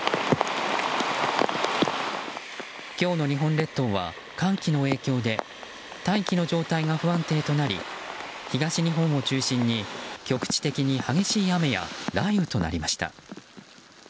今日の日本列島は寒気の影響で大気の状態が不安定となり東日本を中心に局地的に激しい雨や雷雨となりました。